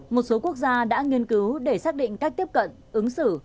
một số quốc gia đã nghiên cứu để xác định cách tiếp cận ứng xử